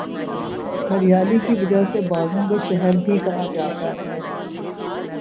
ہریالی کی وجہ سے باغوں کا شہر بھی کہا جاتا ہے